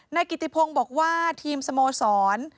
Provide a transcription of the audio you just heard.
นายกิติพงศ์บอกว่าทีมสโมสร